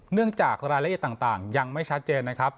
เนื่องจากรายละเอียดต่างยังไม่ชัดเจนนะครับ